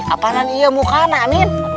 apalagi ya mukanya amin